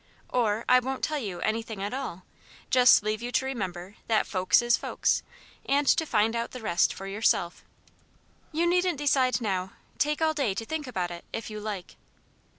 Or I won't tell you anything at all just leave you to remember that 'folks is folks,' and to find out the rest for yourself. You needn't decide now. Take all day to think about it, if you like."